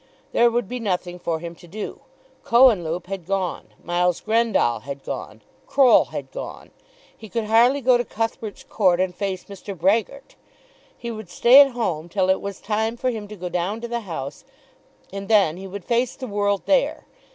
There would be nothing for him to do. Cohenlupe had gone. Miles Grendall had gone. Croll had gone. He could hardly go to Cuthbert's Court and face Mr. Brehgert! He would stay at home till it was time for him to go down to the House, and then he would face the world there.